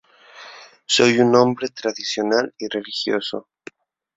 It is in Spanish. Soy un hombre tradicional y religioso.